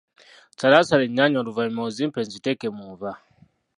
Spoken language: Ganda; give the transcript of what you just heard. Salaasala ennyaanya oluvannyuma ozimpe nziteeke mu nva.